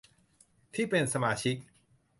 ที่เป็นสมาชิก